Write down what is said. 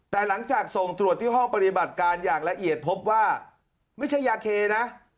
แต่หลังจากส่งตรวจที่ห้องปฏิบัติการอย่างละเอียดพบว่าไม่ใช่ยาเคนะ